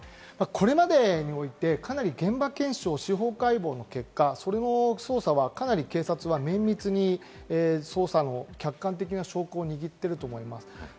これまでにおいて、かなり現場検証、司法解剖の結果、それの捜査はかなり警察は綿密に捜査の客観的な証拠を握っていると思います。